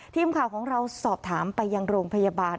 ทีมข่าวของเราสอบถามไปยังโรงพยาบาล